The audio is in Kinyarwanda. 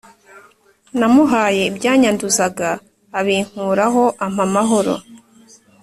Namuhaye ibyanyanduzaga abinkuraho ampa amahoro